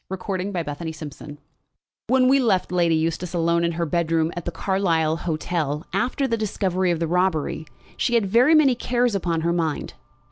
CHAPTER XLV The Journey to London When we left Lady Eustace alone in her bedroom at the Carlisle hotel after the discovery of the robbery, she had very many cares upon her mind.